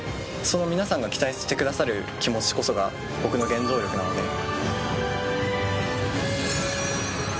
その、皆さんが期待してくださる気持ちこそが僕の原動力なので。